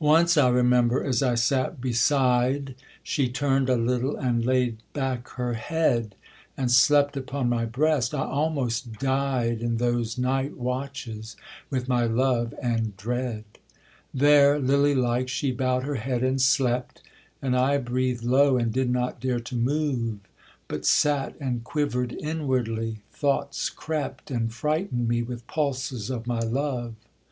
Once, I remember, as I sat beside, She turn'd a little, and laid back her head, And slept upon my breast; I almost died In those night watches with my love and dread. There lily like she bow'd her head and slept, And I breathed low, and did not dare to move, But sat and quiver'd inwardly, thoughts crept, And frighten'd me with pulses of my Love.